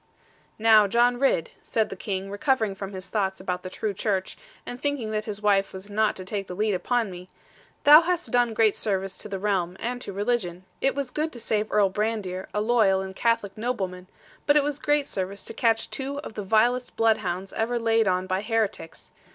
'Now, John Ridd,' said the King, recovering from his thoughts about the true Church, and thinking that his wife was not to take the lead upon me; 'thou hast done great service to the realm, and to religion. It was good to save Earl Brandir, a loyal and Catholic nobleman; but it was great service to catch two of the vilest bloodhounds ever laid on by heretics.